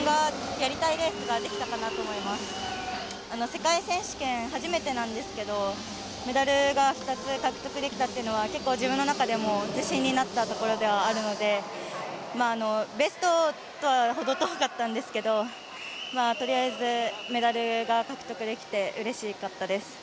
世界選手権初めてなんですけどメダルが２つ獲得できたっていうのは結構自分の中でも自信になったところではあるのでベストとは程遠かったんですけどとりあえずメダルが獲得できてうれしかったです。